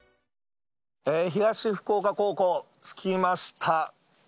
東福岡高校、着きました。